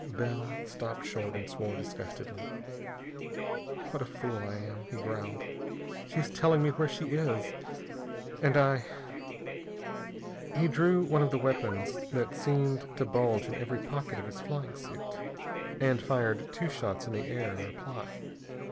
Bell stopped short and swore disgustedly. "What a fool I am!" he growled. "She's telling me where she is, and I " He drew one of the weapons that seemed to bulge in every pocket of his flying suit and fired two shots in the air in reply.